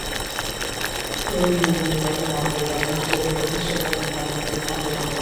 তরুণ নির্মাতা মাবরুর বান্নাহ্ তৈরি করলেন সুপারম্যান নামে একটি খণ্ড নাটক।